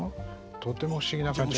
とても不思議な感じが。